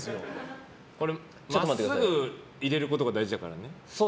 真っすぐ入れることが大事だからね。